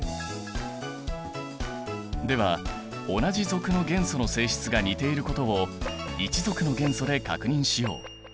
では同じ族の元素の性質が似ていることを１族の元素で確認しよう。